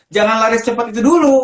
jangan lari secepat itu dulu